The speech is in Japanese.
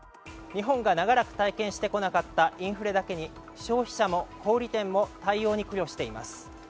日本が長らく体験してこなかったインフレだけに消費者も小売店も対応に苦慮しています。